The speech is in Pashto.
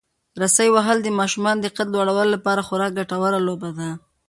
رسۍ وهل د ماشومانو د قد د لوړولو لپاره خورا ګټوره لوبه ده.